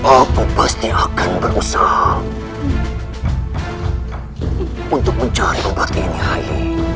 aku pasti akan berusaha untuk mencari obat ini